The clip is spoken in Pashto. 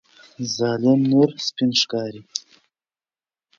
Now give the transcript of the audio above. ظالم نور سپین ښکاري.